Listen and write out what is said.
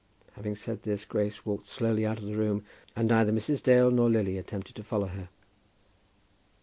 Having said this, Grace walked slowly out of the room, and neither Mrs. Dale nor Lily attempted to follow her.